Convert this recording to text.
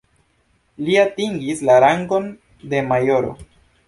Li atingis la rangon de majoro.